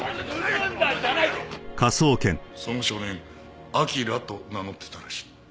その少年アキラと名乗ってたらしい。